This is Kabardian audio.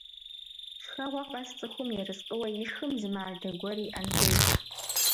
Шхэгъуэ къэс цӀыхум ерыскъыуэ ишхым зы мардэ гуэр иӀэн хуейщ.